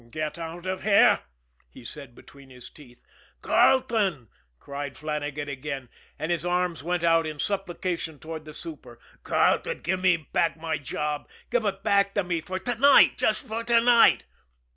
"Get out of here!" he said between his teeth. "Carleton," cried Flannagan again, and his arms went out in supplication toward the super, "Carleton, give me back my job give it back to me for to night just for to night."